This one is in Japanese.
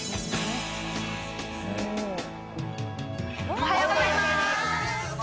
おはようございます。